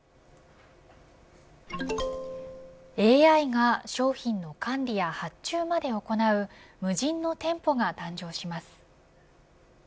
ＡＩが商品の管理や発注まで行う無人の店舗が誕生します。